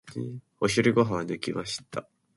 お昼ご飯は抜きました。